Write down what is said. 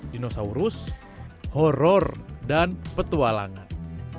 dinosaurus horror dan petualangan